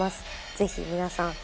ぜひ皆さん